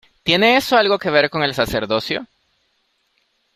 ¿ tiene eso algo que ver con el sacerdocio?